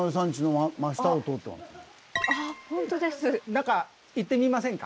中行ってみませんか。